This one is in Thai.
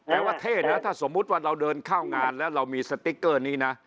แต่ว่าเท่นะถ้าสมมุติว่าเราเดินเข้างานแล้วเรามีสติ๊กเกอร์นี้นะ